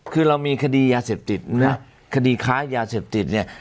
คือเรามีคดียาเสพติดนะคดีค้ายาเสพติดเนี่ย